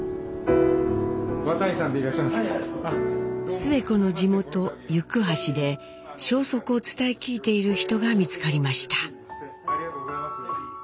スエ子の地元行橋で消息を伝え聞いている人が見つかりました。